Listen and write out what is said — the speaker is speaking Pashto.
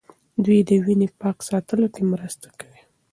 دوی د وینې پاک ساتلو کې مرسته کوي.